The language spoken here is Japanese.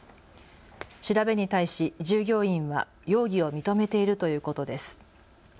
調べに対し従業員は容疑を認めているということです。